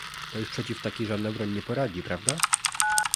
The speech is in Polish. "To już przeciw takiej żadna broń nie poradzi, prawda?"